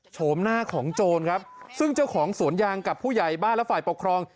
โฉมหน้าของโจรครับซึ่งเจ้าของสวนยางกับผู้ใหญ่บ้านและฝ่ายปกครอง